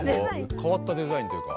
かわったデザインというか。